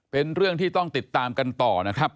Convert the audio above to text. เป็นเรื่องที่ต้องติดตามกันต่อนะครับ